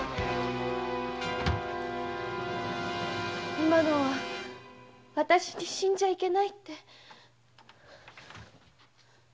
今のはわたしに死んじゃいけないって。